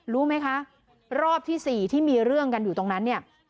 รู้ไหมคะรอบที่๔ที่มีเรื่องกันอยู่ตรงนั้นเนี่ย